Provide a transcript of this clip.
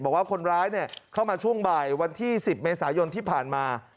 บอกว่าคนร้ายเข้ามาช่วงบ่ายวันที่๑๐เมษายนที่ผ่านมา